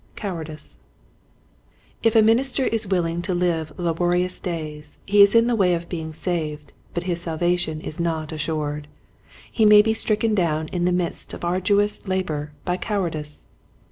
Cowardice, If a minister is willing to live laborious days he is in the way of being saved but his salvation is not assured. He may be stricken down in the midst of arduous labor by cowardice.